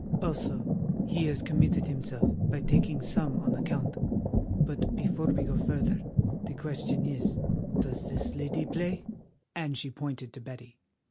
Also, he has committed himself by taking some on account. But before we go further, the question is—does this lady play?" and she pointed to Betty.